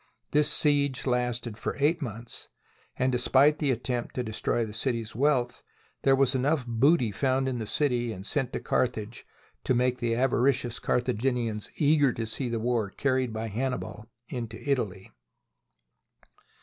This siege lasted for eight months, and despite the at tempt to destroy the city's wealth, there was enough booty found in the city and sent to Carthage to make the avaricious Carthaginians eager to see the war carried by Hannibal into Italy.